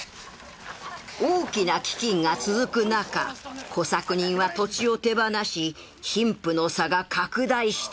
大きな飢饉が続く中小作人は土地を手放し貧富の差が拡大していた